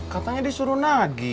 katanya disuruh nagi